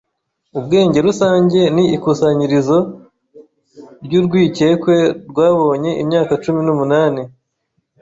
Ubwenge rusange ni ikusanyirizo ry'urwikekwe rwabonye imyaka cumi n'umunani.